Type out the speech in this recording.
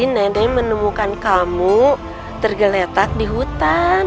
nenek menemukan kamu tergeletak di hutan